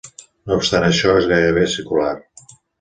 No obstant això, és gairebé circular.